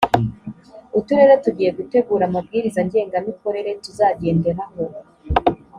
uturere tugiye gutegura amabwiriza ngengamikorere tuzagenderaho